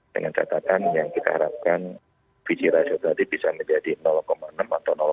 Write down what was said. dengan catatan yang kita harapkan visi rasio tadi bisa menjadi enam atau lima